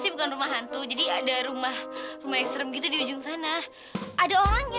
sih bukan rumah hantu jadi ada rumah rumah ekstrem gitu di ujung sana ada orangnya